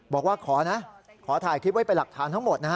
บอกว่าขอนะขอถ่ายคลิปไว้เป็นหลักฐานทั้งหมดนะฮะ